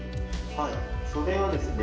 はいそれはですね